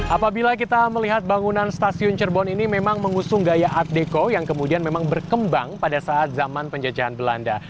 apabila kita melihat bangunan stasiun cerbon ini memang mengusung gaya art deco yang kemudian memang berkembang pada saat zaman penjajahan belanda